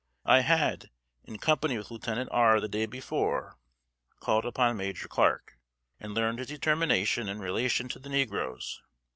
I had, in company with Lieutenant R. the day before, called upon Major Clark, and learned his determination in relation to the negroes.